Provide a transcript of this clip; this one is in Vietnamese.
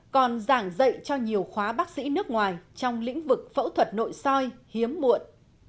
còn giảng dạy cho nhiều khóa bác sĩ nước ngoài trong lĩnh vực phẫu thuật nội soi hiếm muộn